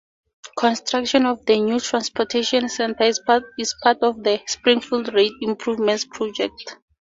Construction of the new Transportation Center is part of the "Springfield Rail Improvements Project".